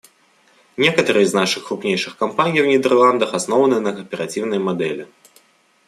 Некоторые из наших крупнейших компаний в Нидерландах основаны на кооперативной модели.